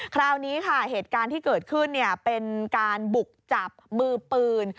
คราวนี้ค่ะเหตุการณ์ที่เกิดขึ้นเป็นการบุกจับมือปืน